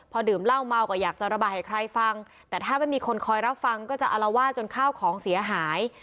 พอดื่มเหล้าเมาก็อยากจะระบายให้ใครฟังแต่ถ้าไม่มีคนคอยรับฟังก็จะอารวาสจนข้าวของเสียหาย